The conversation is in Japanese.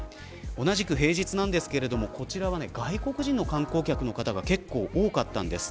同じく平日なんですがこちらは外国人の観光客の方が結構多かったんです。